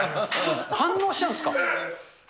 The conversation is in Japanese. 反応しちゃうんですか？